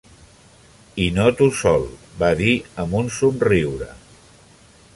"I no tu sol", va dir amb un somriure.